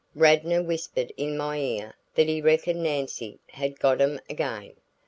Radnor whispered in my ear that he reckoned Nancy had "got um" again.